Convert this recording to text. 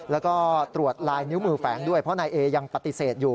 แล้วก็ตรวจลายนิ้วมือแฝงด้วยเพราะนายเอยังปฏิเสธอยู่